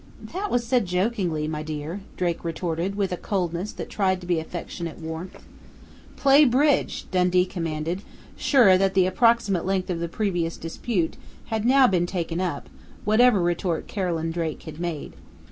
"That was said jokingly, my dear," Drake retorted, with a coldness that tried to be affectionate warmth. "Play bridge!" Dundee commanded, sure that the approximate length of the previous dispute had now been taken up, whatever retort Carolyn Drake had made.